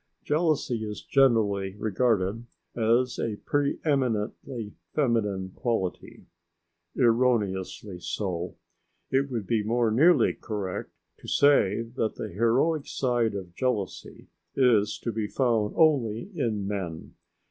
Jealousy is generally regarded as a pre eminently feminine quality. Erroneously so. It would be more nearly correct to say that the heroic side of jealousy is to be found only in men.